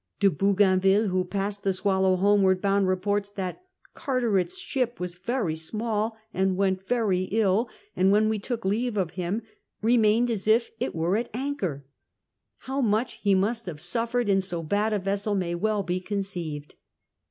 De Bougain ville, who passed the SwaUow homeward bound, reports that " Carteret's ship was very small, went very ill, and when wo took leave of him, remained as it were at anchor. How much ho must have suffered in so bad a vessel may well be conceived.